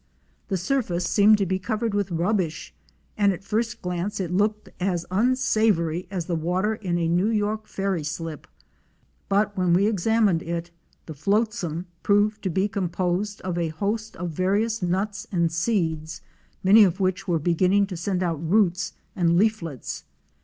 The surface seemed to be covered with rubbish, and at first glance it looked as unsavoury as the water in a New York ferry slip! But when we examined it, the flotsam proved to be composed of a host of various nuts and seeds, many of which were beginning to send out roots and leaflets.